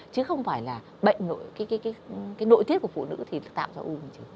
chứ không phải là bệnh nội cái nội tiết của phụ nữ thì tạo ra u bình trứng